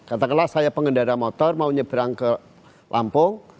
katakanlah saya pengendara motor mau nyebrang ke lampung